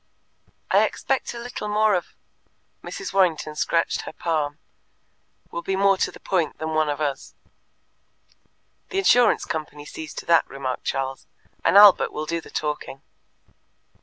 "I expect a little of" Mrs. Warrington scratched her palm " will be more to the point than one of us!" "The insurance company sees to that," remarked Charles, "and Albert will do the talking."